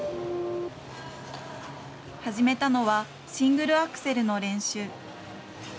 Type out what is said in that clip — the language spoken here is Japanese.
始めたのはシングルアクセルの練習。